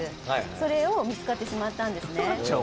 それを見つかってしまったんですね。